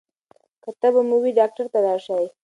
که تبه مو وي ډاکټر ته لاړ شئ.